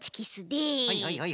はいはいはいはい。